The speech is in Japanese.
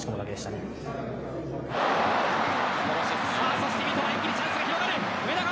そして三笘一気にチャンスが広がる。